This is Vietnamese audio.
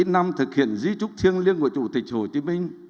bốn mươi chín năm thực hiện di trúc thiêng liêng của chủ tịch hồ chí minh